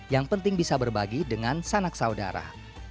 yang penting bisa berbagi dengan sanak saudara